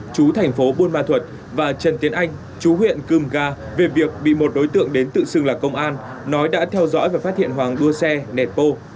chú thành phố buôn ma thuật và trần tiến anh chú huyện cưm ga về việc bị một đối tượng đến tự xưng là công an nói đã theo dõi và phát hiện hoàng đua xe nẹt bô